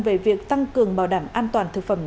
về việc tăng cường bảo đảm an toàn thực phẩm